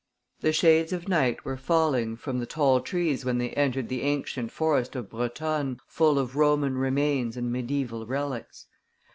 The shades of night were falling from the tall trees when they entered the ancient forest of Brotonne, full of Roman remains and mediaeval relics.